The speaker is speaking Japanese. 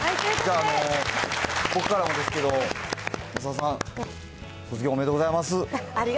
僕からもなんですけど、増田さん、卒業おめでとうございます。